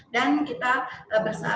dan kita selalu